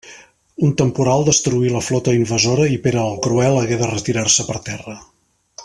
Un temporal destruí la flota invasora, i Pere el Cruel hagué de retirar-se per terra.